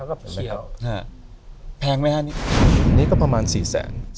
อันนี้ก็ประมาณ๔แสน